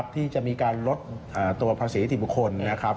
ที่จะมีการลดตัวภาษีนิติบุคคลนะครับ